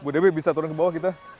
bu dewi bisa turun ke bawah kita